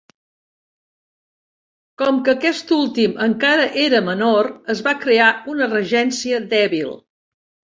Com que aquest últim encara era menor, es va crear una regència dèbil.